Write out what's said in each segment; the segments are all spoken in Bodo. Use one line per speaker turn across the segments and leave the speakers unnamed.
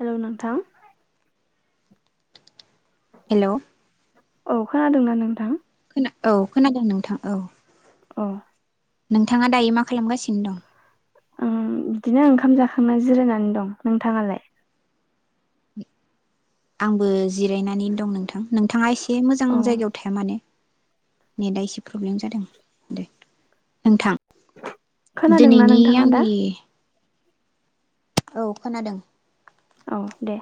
हेलौ नोंथां ।
हेलौ ।
औ खोनादोंना नोंथां?
औ खोनादों नोंथां औ ।
अ
नोंथाङा दायो मा खालामगासिनो दं?
आं बिदिनो ओंखाम जाखांना जिरायनानै दं नोंथाङालाय?
आंबो जिरायनानै दं नोंथां नोंथाङा एसे मोजां
औ
जायगायाव थाया मानो। नेटआ एसे प्रब्लेम जादों दे नोंथां।
खोनादोंना
दिनैनि
नोंथाङा दा
आंनि औ खोनादों।
औ दे।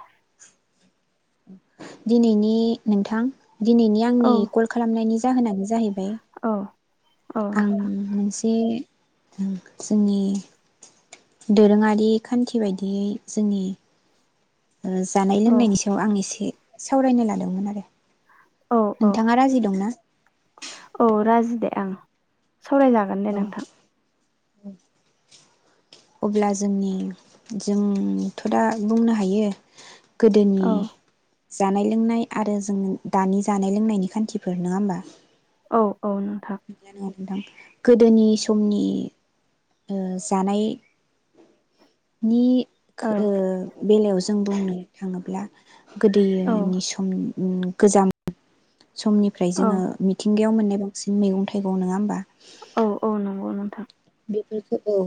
दिनैनि नोंथां दिनैनि
औ
आंनि कल खालामनायनि जाहोनानो जाहै
औ। औ
आं
नोंथां
मोनसे जोंनि दोरोङारि खान्थि बायदियै जोंनि ओ जानाय
औ
लोंनायनि सायाव आं एसे सावरायनो लादोंमोन आरो।
औ औ
नोंथाङा राजि दंना?
औ राजि दे आं। सावरायजागोन दे
औ
नोंथां।
अब्ला जोंनि जोंथ' दा बुंनो हायो गोदोनि
औ
जानाय लोंनाय आरो जों दानि जानाय लोंनायनि खान्थिफोर नङा होमबा।
औ। औ नोंथां।
नोंथां गोदोनि समनि ओ जानायनि
औ
ओ बेलायाव जों बुंनो थाङोब्ला
औ
गोदोयोनि सम उम गोजाम समनिफ्राय
औ
जोङो मिथिंगायाव मोन बांसिन मैगं थाइगं नोङा होमबा।
औ औ नोंगौ नोंथां।
बेफोरखौ औ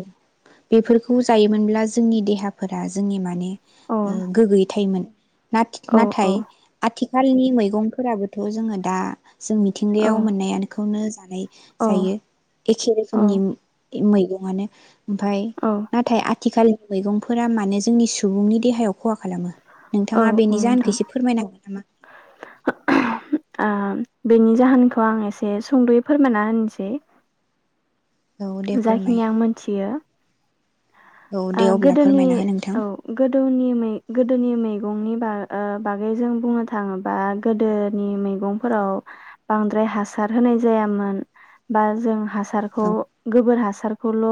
बेफोरखौ जायोमोनब्ला जोंनि देहाफोरा जोंनि माने
औ
ओ गोग्गोयै थायोमोन।
औ औ
नाथाय आथि खालनि मैगंफोराबोथ जोङो दा जों
औ
मिथिंगायाव मोननायानोखौनो जानाय
औ
जायो एखे रोखोमनि
औ
मैगं आनो ओमफ्राय नाथाय आथिखाल मैगंफोरा मानो जोंनि सुबुंनि देहायाव खहा खालामो
औ
नोंथाङा बेनि जाहोनखौ
नोंथां
एसे फोरमाय नांगोन नामा
बेनि जाहोनखौ आं एसे सुंदयै फोरमायना होनसै
औ दे
जा
फोरमाय
खिनि आं मोनथियो
औ
आ
दे अब्ला
गोदोनि
फोरमायना हो नोंथां
औ गोदो गोदोनि मैगंनि बा बागै जों बुंनो थाङोबा गोदो नि मैगंफोराव बांद्राय हासार होनाय जायामोन बा जों
औ
सारखौ गोबोर हा हासारखौल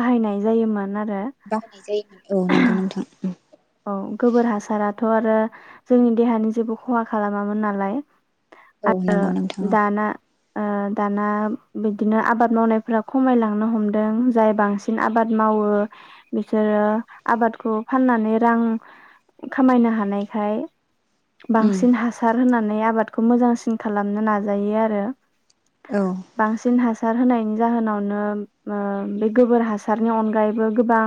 बाहायनाय जायोमोन आरो
बाहायनाय औ नंगौ नोंथां
औ गोबोर हासाराथ आरो जोंनि देहानि जेबो खहा खालामाबो नालाय
औ नंगौ नोंथां औ
दाना ओ दाना बिदिनो आबाद मावनायफ्रा खमायलांनो हमदों जाय बांसिन आबाद मावो बिसोरो आबादखौ फाननानै रां खामायनो हानायखाय बांसिन
औ
हासार होनानै आबाद बे खौ मोजांसिन खालामनो नाजायो आरो
औ
बांसिन हास हासार होनायनि जाहोनाव नो ओ बे गोबोर हासार नि अनगायैबो गोबां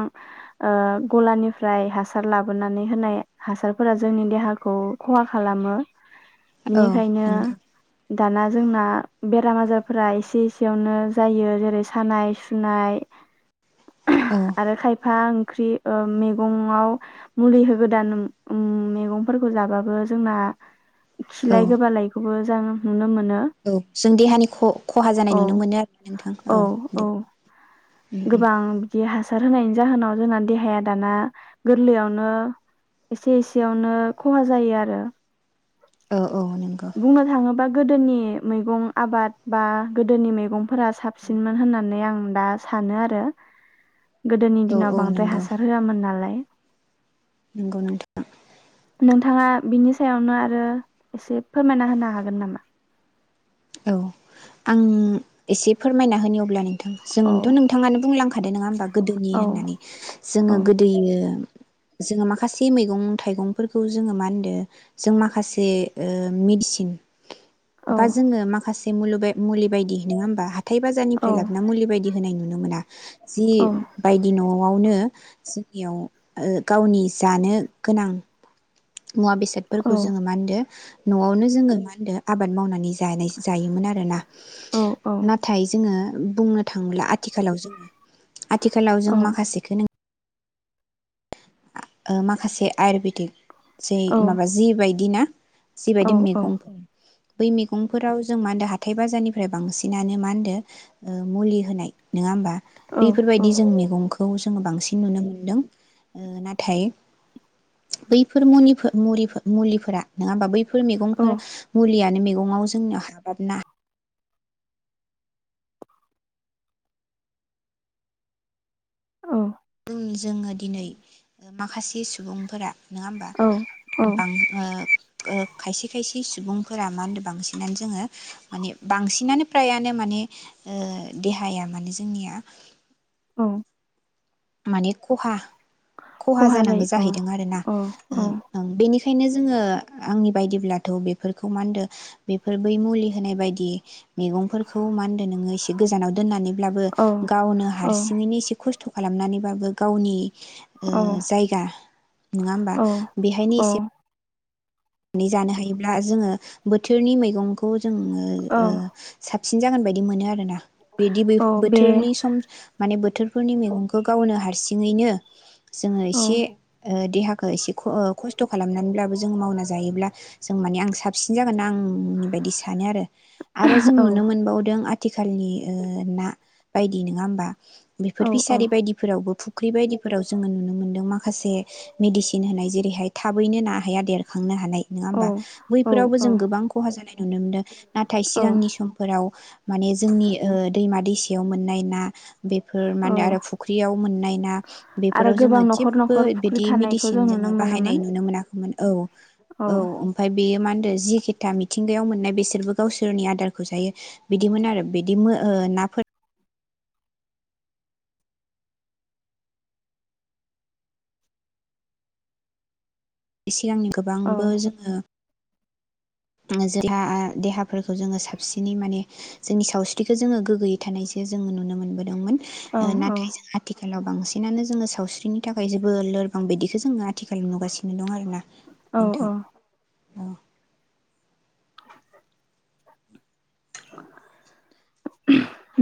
ओ गलानिफ्राय हासार लाबोनानै होनाय हासारफोरा जोंनि देहाखौ खहा खालामो
औ
बेनिखायनो
नंगौ
दाना जोंना बेराम आजारफोरा एसे एसेयावनो जायो जेरै सानाय सुनाय
औ
आरो खायफा ओंख्रि ओ मैगंआव मुलि होगोदान उम मैगंफोरखौ जाबाबो जोंना खिलाय
औ
गोबालायखौबो मोजां नुनो मोनो
औ जों देहानि खहा जानाय
औ
नुनो मोनो आरोना नोंथां औ दे उम उम
गोबां बिदि हासार होनायनि जाहोनाव जोंना देहाया दाना गोरलैयावनो एसे एसेयावनो खहा जायो आरो
औ औ नोंगौ।
बुंनो थाङोबा गोदोनि मैगं आबाद बा गोदोनि मैगं फोरा साबसिनमोन होननानै आं दा सानो आरो। गोदोनि
औ औ
दिनाव बांद्राय हासार होआमोन नालाय
नोंगौ नोंथां।
नोंथाङा बिनि सायावनो आरो आरो एसे फोरमायना होनो हागोन नामा?
औ आं एसे फोरमायना होनि अब्ला नों
औ
जोंथ' नोंथाङानो बुंलांखा थादों नङा होनबा? गोदोनि
औ
होननानै
औ
जोङो गोदोयो जोङो माखासे मैगं थाइगंफोरखौ जोङो मा होनदो जों माखासे ओ मेडिसिन
औ।
बा जोङो माखासे मुलि बायदि नङा होमबा हा हाथाइ
औ
बाजारनिफ्राय लाबोना मुलि बायदि होनाय नु नुनो मोना। जि
औ
बायदि न'आव न'आवनो जोंनियाव गावनि जानो गोनां मुवा बेसादफोरखौ
औ
जोङो मा होनदो न'आवनो जोङो मा होनदो आबाद मावनानै जानाय जायोमोन आरोना।
औ औ
नाथाय जोङो बुंनो थाङोब्ला आथिखालाव जोङो आथिखालाव जों माखासेखौ नों माखासे आयुरवेदिक जै
औ
माबा जि बायदि ना
औ
जिबायदि मैगं बै मैगंफोराव जों मा होनदों हाथाइ बाजारनिफ्राय बांसिनानो मा होनो मुलि होनाय नङा होमबा? बेफोरबायदि जों मैगंखौ खौ जोङो बांसिन नुनो मोनदों ओ नाथ थाय बैफोर मुनिफो-मुलिफो-मुलिफोरा नङा होमबा बै फोर
औ
मैगंफोर मुलियानो मे न'आव जोंनियाव हाबाबना
औ।
जोंङो दिनै माखासे सुबुंफोरा नङा होमबा
औ
बां ओ ओ खायसे खायसे इ सुबुंफोरा मा होनदों बांसिनानो जोङो माने बांसिनानो फ्रायानो माने ओ देहाया माने जोंनिया
औ
माने खहा खहा जानांगौ जाहैदों आरो ना
औ
ओ
औ
ओं बेनिख बेखायनो जोङो आंनि बायदिब्लाथ बेफोरखौ मा होनदों बेफोर बै मुलि होनाय बायदि मैगंफोरखौ मा होनदो नोङो एसे गोजानाव दोननानै ब्लाबो
औ
गावनो
औ
हारसिंयैनि एसे खस्थ खालामनानैबाबो गावनि ओ
औ
जायगा नङा होमबा बेहायनो
औ
एसे नि जानो हायोब्ला जोंङो बोथोरनि मैगंखौ जोङो
औ
ओ सा बसिन जागोन बायदि मोनो आरो ना बिदि
औ बे
बो-बोथोरनि सम माने बोथ थोरफोरनि मैगंखौ गावनो हारसिङैनो जोङो
औ
एसे ओ देहाखौ एसे ख ओ खस्थ खालामनानैब्लाबो जोङो मावना जायोब्ला जों माने आं साबसिन जागोन ना आं उम बायदि सानो आरो आरो जों
औ
नुनो मोनबावदों थिखालनि ओ ना बायदि नङा होमबा
औ
बेफोर
औ
फिसारि बायदिफोरावबो फु ख्रि बायदिफोराव जोङो नुनो मोन्दों माखासे मेडिसिन होनाय जेरैहाय थाबैनो ना हाया देर खांनो हानाय नङा होमबा बैफोरावबो जों
औ
गोबां खहा जानाय नुनोमोनदों नाथाय
औ
सिगांनि समफोराव माने जोंनि ओ दैमा दैसायाव मोननाय ना बेफोर माने
औ
आरो फुख्रियाव मोननाय ना
आरो
बेफोराव
गोबां
जोङो
न'खर
जेबो
न'खर फुख्रि
बिदि
थानायखौ
मेडिसिन
जों नुनो
जोंङो
मोनोमोन
बाहायनाय नुनो मोनाखैमोन औ औ ओमफाय बे बियो मा होनदो जिखिथा मिथिंगायाव मोननाय बिसोरबो गावसोरनि आदारखौ जायो बिदिमोन आरो बिदि मो ओ नाफोर इसे सिगांनि
औ
गोबांबो जोङो उम जेला ओ देहा फोरखौ जोङो साबसिनै माने जोंनि सावस्रिखो जोङो गोगोयै थानायसो जोङो नुनो मोनबोदोंमोन
औ
ओ नाथाय जों आथिखालाव बांसिनानो जोङो सावस्रिनि थाखाय जोबोद लोरबां बायदिखो जोङो आथिखाल नुगासिनो दं आरो ना
औ औ
नोंथां। औ
[inaudible]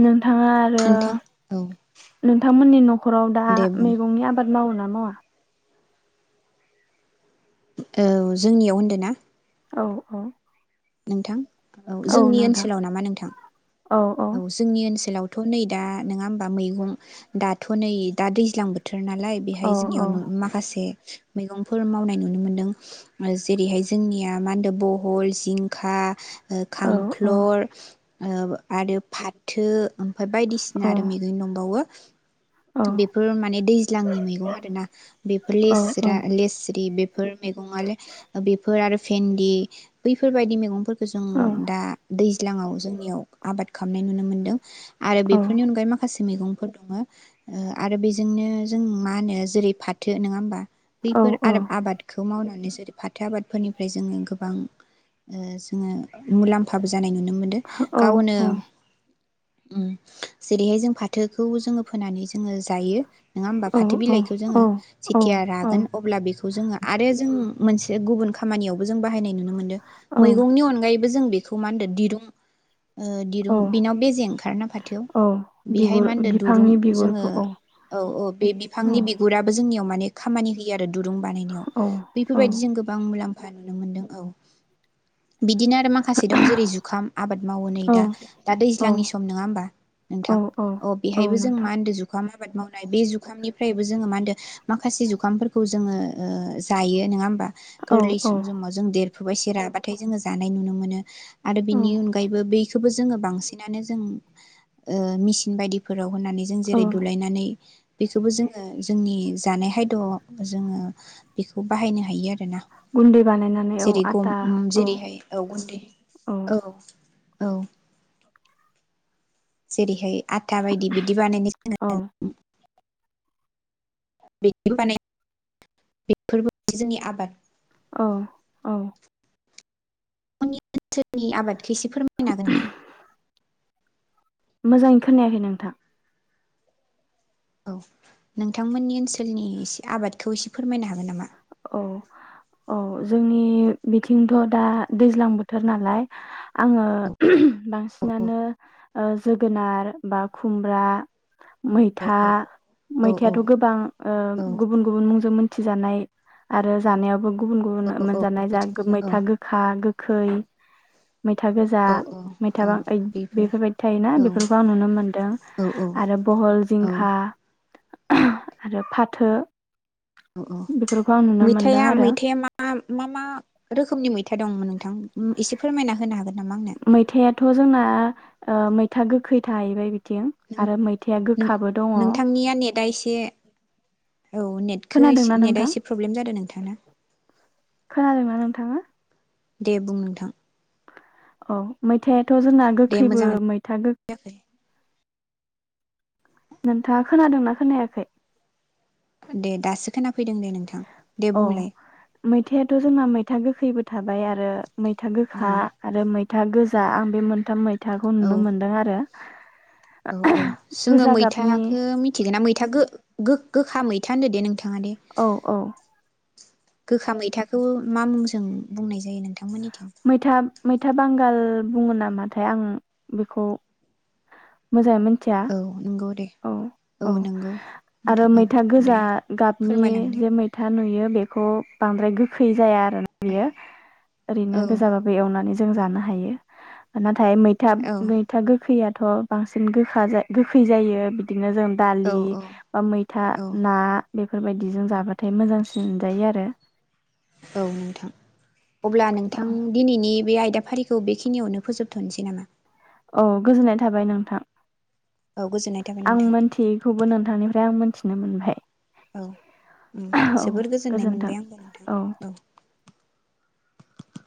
नों थाङा आरो
नोंथां औ
नोंथमोननि न'खराव दा
दे बुं
मैगंनि आबाद मावो ना मावा
औ जोंनियाव होनदो ना
औ औ
नोंथां औ जोंनि ओनसोलाव नामा नोंथां औ जोंनि ओनसोलाव थ नै दा नोङा ओमबा मैगं दाथ नै दा दैज्लां बोथो र नालाय
औ
बेहाय जोंनियाव
औ
नु माखासे मैगंफोर मावनाय नुनो मोनदों। जेरैहाय जोंनिया मा होनदो बहल, जिं खा ओ
औ औ
खांख्लर ओ आरो फाथो ओमफाय बायदिसिना
औ
आरो मैगं दंबावो।
औ
[unintelligible] बिफोर माने दैज्लांनि मैगं आरोना बेफोर
औ औ
लेस्रा लेस्रि बे फोर मेगङा बेफोर आरो भेनदि बैफोरबायदि मैगंफो जों दा दैज्लाङाव जोंनियाव आबाद खामनाय नुनो मोन्दों आरो बिफोरनि अनगायै माखासे मेगंफोर दङो ओ आरो बेजोंनो जों मा होनो जेरै फाथो नङा ओमबा बिफोर आरोब आबादखौ मावना [unintelligible] फाथो आबादफोरनिफ्राय जोङो गोबां ओ जोङो मुलाम्फाबो जानाय नुनो मोनदो गावनो उम जेरैहाय जों फाथोखौ जोङो फोनानै जोङो जायो। नोङा ओमबा फाथो बिलाइखौ जोङो जिथिया रागोन अब्ला बिखौ खौ जोङो आरो जों मोनसे गुबुन खामानियावबो जों बाहायनाय नु नुनो मोनो
औ
मैगं अनगायै जों बेखौ मा होनदों दिरुं ओ दिरुं
औ औ
बिनाव बेजे ओंखारना फाथोआव
औ
बेहाय मा
बिगुर
होनदों दुरुं
बिफांनि
ओ
बिगुरखौ औ
औ औ बे
औ
बिफांनि बिगुराबो जों नेव माने खामानि होयो आरो दो दुरुं बानायनायाव
औ
बेफोरबायदि जों गोबां मुलाम्फा खुफा नुनो मोनदों औ बिदिनो आरो माखासे दं जेरै जुखाम आबाद मावो नै
औ
दा दा
औ
दैज्लांनि सम नङा होमबा
औ
नोंथां
औ
अ
औ
बेहायबो जों
नोंथां
मा हो जुखाम आबाद मावनाय बे जुखामनिफ्रायबो जोङो मा होनो माखासे जुखामफोरखौ जोङो ओ जायो नङा होमबा
औ
गोरलै
औ
जोमाव जों देर बैसो राबाथाय जोङो जानाय नुनो मोनो। आरो
औ
बेनि अनगायैबो बैखौबो जों बांसि ना नो जों ओ मिसिं बायदि फोराव होनानै
औ
जेरै दुलायनानै बेखौबो जोङो जोंनि जानाय हायद' जोङो बेखौ बाहायनो हायो आरो ना
गुन्दै बानायनानै औ
जेरै
आटा औ
जेरैहाय औ गुन्दै औ औ जेरैहाय आथा बायदि बायदि बानायनो सो
औ
जों बेदि बानाय बेफोरबो जोंनि आबाद
औ औ
गंनि ओनसोलनि आबाद खायसे फोरमायनो हागोन नामा
मोजाङै खोनायाखै नोंथां
औ नोंथांमोननि ओनसोलनि एसे आबादखौ एसे फोरमायनो हागोन नामा
औ औ जोंनि बिथिंथ दा दैज्लां बोथोर नालाय आङो।
औ
बांसिनानो ओ ज गोनार बा खुमब्रा
औ
मैथा
औ
मैथायाथ' गोबां गुबुन गुबुन मुंजों थुजानाय आरो जानायावबो गुबुन गुबुन
औ औ
मोनजानाय जा मैथा गोखा गोखै मैथा गोजा
औ औ
मैथा
औ
बां
बेफोर
बेफोरबायदि थायोना
औ
बेफोरखौ आं नुनो मोनदों
औ
आरो बहल
औ
जिंखा आरो फाथो
औ‌ औ।
बेफोरखौ आं नुनो मोनदों
मैथाया
आरो
मैथाया मा मा मा रोखोमनि मैथा दंमोन नोंथां एसे फोरमायना होनो हागोन नामा आंनो
मैथायाथ' जोंना ओ मैथा गोखै थाहैबाय बि
नों नों नोंथांनिया नेट आ एसे औ। नेटखो इसे
खोनादोंना
नेट आ
नोंथां
एसे प्रब्लेम जादों नों थाना।
खोनादोंना नोंथाङा?
दे बुं नोंथां।
औ मै मैथायाथ' जोंना
दे
गोखैबो
मोजाङै
मैथा गो
जायाखै
नोंथाङा खोनादोंना खोनायाखै?
दे दासो खोनाफैदों दे नोंथां। दे
औ
बुंलाय
मैथायाथ' जोंना मै था गोखैबो थाबाय आरो। मैथा गोखा
उम
आरो मैथा गोजा आं बे मोनथाम मैथाखौ
औ
नुनो मोनदों आरो।
औ औ जोङो
गोजा गाबनि
मैथाखो मिथिगोन ना मैथा गो गो गोखा मैथा होनो दे नों थाङा दे।
औ औ
गोखा मैथाखौ मा मुंजों बुंनाय जायो नोंथांमोननि
मैथा मैथा बांगाल बुङो नामाथाय आं बेखौ मोजाङै मोन
औ नोंगौ दे।
औ औ आरो
नोंथां औ
मैथा
दे
गोजा गाबनि
फोरमायलांदो
जे मैथा। नुयो बेखौ बांद्राय गोखै जाया [inaudible]
औ
बियो ओरैनो
औ
गोजाबाबो एवनानै जों जानो हायो नाथाय थाय मैथा
औ
मैथा गोखैया थ' बांसिन गोखा जायो गोखै जायो। बिदिनो जों
औ
दालि बा मैथा
औ
ना। बेफोरबायदिजों जागोन
औ नोंथां अब्ला नोंथां दिनैनि बे आय दाफारिखौ बेखिनियावनो फोजोबथ'नोसै नामा?
औ गोजोननाय थाबाय नोंथां।
औ गोजोननाय थाबाय
आं
नोंथां
मोनथियैखौबो नोंथांनिफ्राय आं मोनथि नो मोनबाय।
औ
औ
जोबोर गोजोननाय
गोजोन्थों
मोनबाय आंबो
औ।
नोंथां औ।